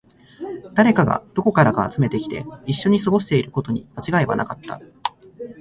誰かがどこからか集めてきて、一緒に過ごしていることに間違いはなかった